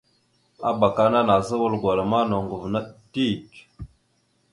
Abak ana nazza wal gwala ma noŋgov naɗ dik.